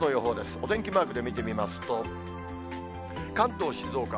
お天気マークで見てみますと、関東、静岡。